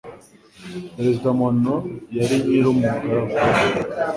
Perezida Monroe yari nyir'umugaragu.